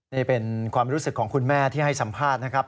นี่เป็นความรู้สึกของคุณแม่ที่ให้สัมภาษณ์นะครับ